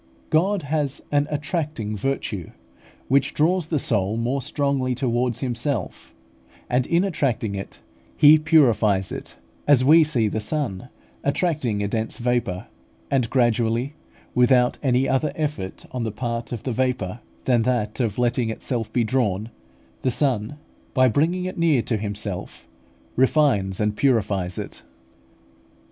God has an attracting virtue, which draws the soul more strongly towards Himself; and in attracting it, He purifies it: as we see the sun attracting a dense vapour, and gradually, without any other effort on the part of the vapour than that of letting itself be drawn, the sun, by bringing it near to himself, refines and purifies it.